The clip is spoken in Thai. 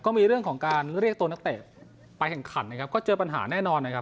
ก็มีเรื่องของการเรียกตัวนักเตะไปแข่งขันนะครับก็เจอปัญหาแน่นอนนะครับ